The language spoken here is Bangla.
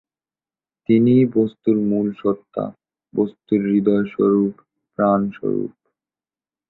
তিনিই বস্তুর মূল সত্তা, বস্তুর হৃদয়-স্বরূপ, প্রাণ-স্বরূপ।